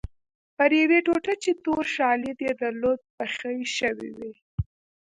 پر یوې ټوټه چې تور شالید یې درلود بخۍ شوې وې.